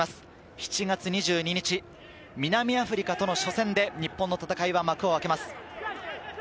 ７月２２日、南アフリカとの初戦で日本の戦いは幕を開けます。